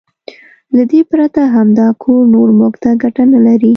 له دې پرته هم دا کور نور موږ ته ګټه نه لري.